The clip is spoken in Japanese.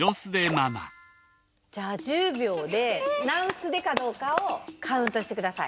じゃあ１０秒で何スデかどうかをカウントしてください。